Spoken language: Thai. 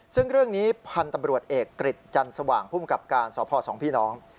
ซึ่งเรื่องนี้พันธุ์ตำรวจเอกกริจจันสว่างภูมิกับการสพสองพี่น้อง